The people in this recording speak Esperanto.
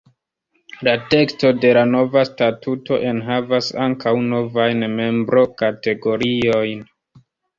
La teksto de la nova statuto enhavas ankaŭ novajn membrokategoriojn.